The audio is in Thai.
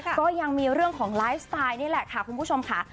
ก็ยังมีเรื่องของไลฟ์สไตล์นี่แหละค่ะคุณผู้ชมค่ะ